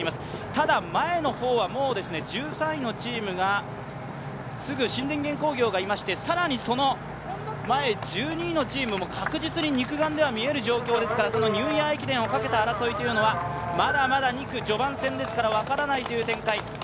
ただ、前の方はもう１３位のチームがすぐ新電元工業がいまして更にその前１２位のチームも確実に肉眼では見える状況ですから、ニューイヤー駅伝をかけた争いというのはまだまだ２区序盤戦ですから分からないという展開。